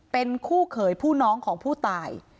เป็นคู่เขยผู้น้องของผู้ตาย